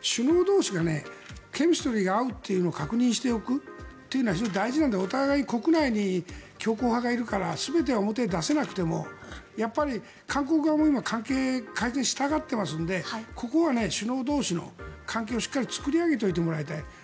首脳同士がケミストリーが合うというのを確認しておくというのは非常に大事なのでお互いに国内に強硬派がいるから全ては表に出せなくてもやっぱり韓国側も今関係改善したがっていますのでここは首脳同士の関係をしっかり作り上げておいてもらいたい。